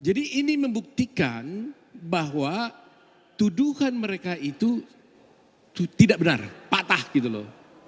jadi ini membuktikan bahwa tuduhan mereka itu tidak benar patah gitu loh